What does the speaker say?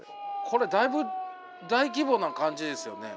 これだいぶ大規模な感じですよね。